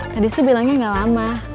tadi sih bilangnya gak lama